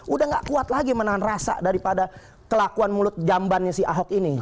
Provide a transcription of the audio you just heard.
udah gak kuat lagi menahan rasa daripada kelakuan mulut jambannya si ahok ini